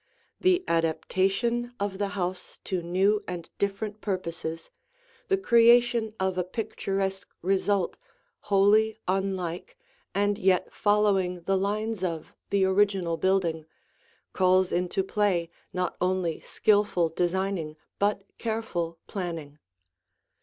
The adaptation of the house to new and different purposes, the creation of a picturesque result wholly unlike and yet following the lines of the original building, calls into play not only skilful designing but careful planning.